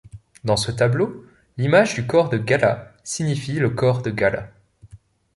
Dans ce tableau, l'image du corps de Gala signifie le corps de Gala.